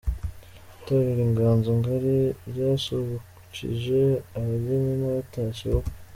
Itorero Inganzo Ngari ryasusurukije abageni n'abatashye ubukwe.